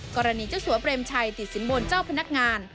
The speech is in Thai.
เจ้าสัวเปรมชัยติดสินบนเจ้าพนักงาน